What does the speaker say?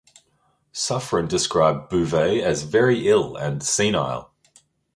Suffren described Bouvet as "very ill" and "senile".